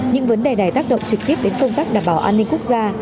những vấn đề này tác động trực tiếp đến công tác đảm bảo an ninh quốc gia